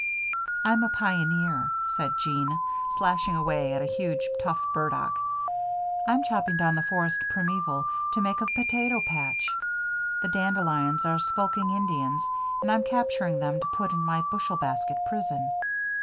"I'm a pioneer," said Jean, slashing away at a huge, tough burdock. "I'm chopping down the forest primeval to make a potato patch. The dandelions are skulking Indians, and I'm capturing them to put in my bushel basket prison."